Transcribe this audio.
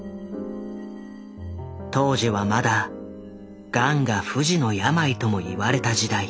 当時はまだガンが「不治の病」ともいわれた時代。